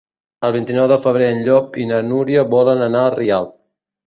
El vint-i-nou de febrer en Llop i na Núria volen anar a Rialp.